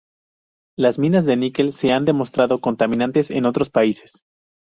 Las minas de níquel se han demostrado contaminantes en otros países.